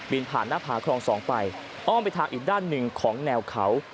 ผ่านหน้าผาคลอง๒ไปอ้อมไปทางอีกด้านหนึ่งของแนวเขา